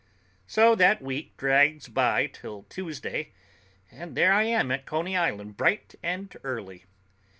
So that week drags by till Tuesday, and there I am at Coney Island bright and early.